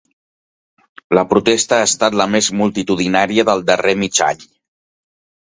La protesta ha estat la més multitudinària del darrer mig any.